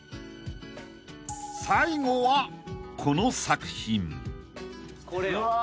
［最後はこの作品］